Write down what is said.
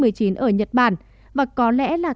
ở nhật bản và có lẽ là